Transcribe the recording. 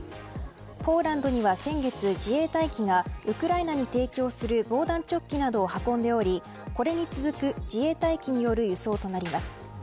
ポーランドには先月、自衛隊機がウクライナに提供する防弾チョッキなどを運んでおりこれに続く自衛隊機による輸送となります。